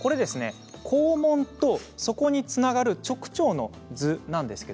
肛門とそこにつながる直腸の図なんです。